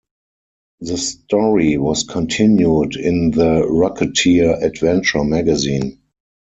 The story was continued in the "Rocketeer Adventure Magazine".